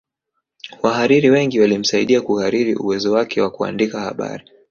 Wahariri wengi walimsaidia kuhariri uwezo wake wa kuandika habari